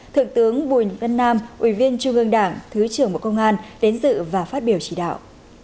thượng tướng bùi văn nam ủy viên trung ương đảng thứ trưởng bộ công an đến dự và phát biểu chỉ đạo